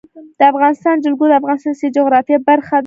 د افغانستان جلکو د افغانستان د سیاسي جغرافیه برخه ده.